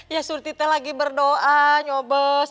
ya surty teh lagi berdoa nyobas